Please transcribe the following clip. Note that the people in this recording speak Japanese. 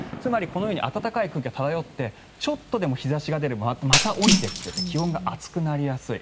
つまり暖かい空気が漂ってちょっとでも日差しが出て下りてきて気温が暑くなりやすい。